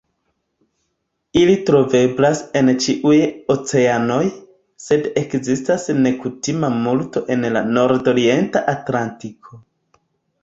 Ili troveblas en ĉiuj oceanoj, sed ekzistas nekutima multo en la nordorienta Atlantiko.